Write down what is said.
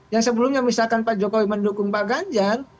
yang sebelumnya misalkan pak jokowi mendukung pak ganjar